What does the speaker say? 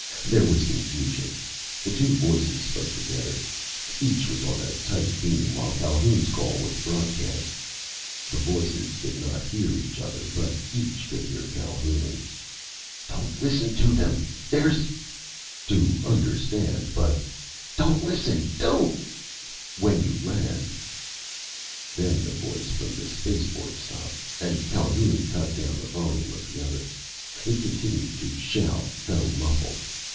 There was confusion. The two voices spoke together. Each was on a tight beam, while Calhoun's call was broadcast. The voices could not hear each other, but each could hear Calhoun. "Don't listen to them! There's...." "to understand, but...." "Don't listen! Don't...." "... When you land." Then the voice from the spaceport stopped, and Calhoun cut down the volume of the other. It continued to shout, though muffled.